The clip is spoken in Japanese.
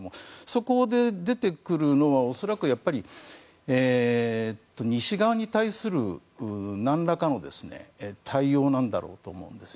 そこで、出てくるのは恐らく西側に対する何らかの対応なんだろうと思います。